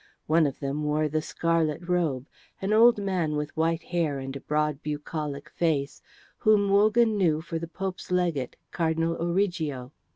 One of them wore the scarlet robe, an old man with white hair and a broad bucolic face, whom Wogan knew for the Pope's Legate, Cardinal Origo.